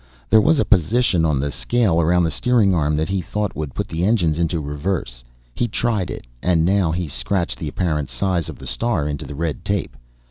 There was a position on the scale around the steering arm that he thought would put the engines into reverse. He tried it, and now he scratched the apparent size of the star into the red tape.